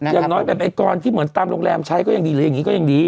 อย่างน้อยแบบไอกรที่เหมือนตามโรงแรมใช้ก็ยังดีหรืออย่างนี้ก็ยังดี